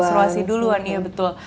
menstruasi duluan iya betul